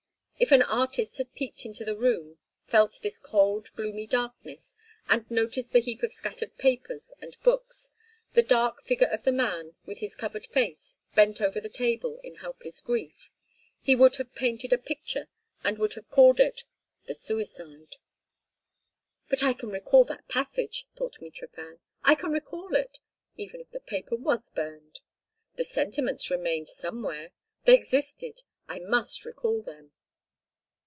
If an artist had peeped into the room, felt this cold, gloomy darkness and noticed the heap of scattered papers and books, the dark figure of the man with his covered face, bent over the table in helpless grief—he would have painted a picture and would have called it "The Suicide." "But I can recall that passage," thought Mitrofan. "I can recall it. Even if the paper was burned, the sentiments remained somewhere; they existed. I must recall them."